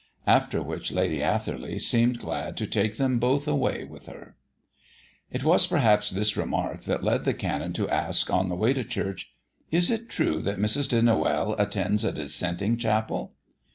After which Lady Atherley seemed glad to take them both away with her. It was perhaps this remark that led the Canon to ask, on the way to church "Is it true that Mrs. de Noël attends a dissenting chapel?"